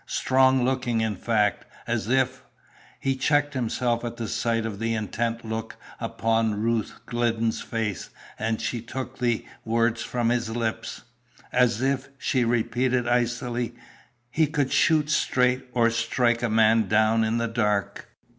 "Strong looking, in fact. As if " He checked himself at sight of the intent look upon Ruth Glidden's face, and she took the word from his lips. "As if," she repeated, icily, "he could shoot straight, or strike a man down in the dark."